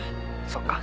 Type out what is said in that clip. そっか。